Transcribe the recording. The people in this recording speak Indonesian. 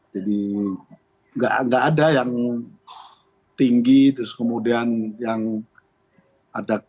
jadi nggak ada yang tinggi terus kemudian yang ada gap yang banyak